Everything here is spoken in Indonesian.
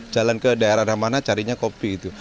jalan ke daerah mana carinya kopi itu